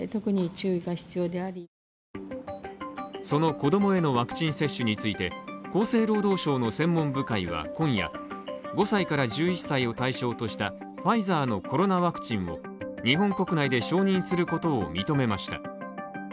その子供へのワクチン接種について、厚生労働省の専門部会は今夜５歳から１１歳を対象としたファイザーのコロナワクチンを日本国内で承認することを認めました。